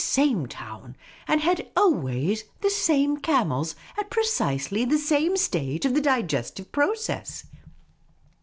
same town, and had always the same camels at precisely the same stage of the digestive process.